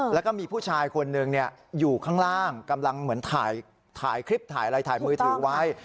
แล้วก็มีผู้ชายคนหนึ่งอยู่ข้างล่างกำลังเหมือนถ่ายคลิปถ่ายอะไรถ่ายมือถือไว้